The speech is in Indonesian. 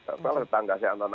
kumpul kumpul di tempat